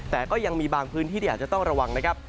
แต่ก็ยังมีบางพื้นที่ที่อาจจะต้องระวังนะครับ